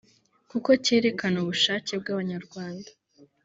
kuko cyerekana ubushake bw’abanyarwanda